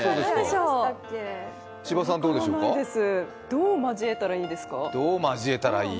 どう交えたらいいですか？